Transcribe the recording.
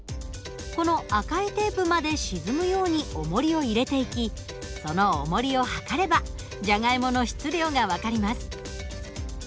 この赤いテープまで沈むようにおもりを入れていきそのおもりを量ればジャガイモの質量が分かります。